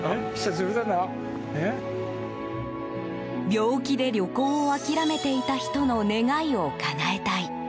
病気で旅行を諦めていた人の願いをかなえたい。